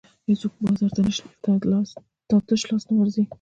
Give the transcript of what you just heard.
هېڅوک بازار ته تش لاس نه ورځي.